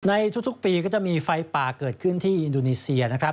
ในทุกปีก็จะมีไฟป่าเกิดขึ้นที่อินโดนีเซียนะครับ